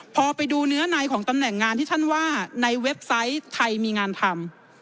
พอไปดูเนื้อในของตำแหน่งงานที่ท่านว่าในเว็บไซต์ไทยมีงานทำ